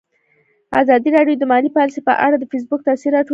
ازادي راډیو د مالي پالیسي په اړه د فیسبوک تبصرې راټولې کړي.